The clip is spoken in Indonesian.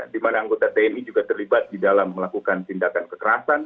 di mana anggota tni juga terlibat di dalam melakukan tindakan kekerasan